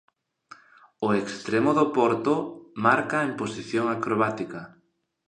O extremo do Porto marca en posición acrobática.